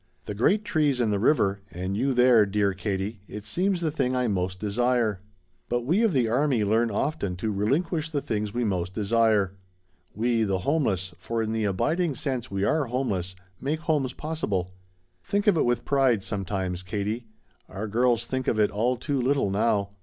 The great trees and the river, and you there, dear Katie, it seems the thing I most desire. But we of the army learn often to relinquish the things we most desire. We, the homeless, for in the abiding sense we are homeless, make homes possible. Think of it with pride sometimes, Katie. Our girls think of it all too little now.